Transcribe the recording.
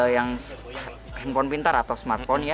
yang handphone pintar atau smartphone ya